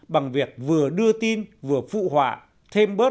bằng việc vừa đưa tin vừa phụ họa thêm bớt